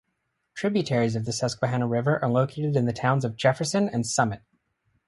Tributaries of the Susquehanna River are located in the Towns of Jefferson and Summit.